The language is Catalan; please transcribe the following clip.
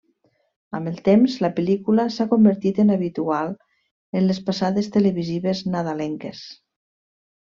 Amb el temps, la pel·lícula s'ha convertit en habitual en les passades televisives nadalenques.